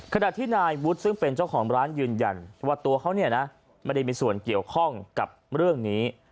ขณะที่นายวุฒิซึ่งเป็นเจ้าของร้านยืนยันว่าตัวเขาเนี่ยนะไม่ได้มีส่วนเกี่ยวข้องกับเรื่องนี้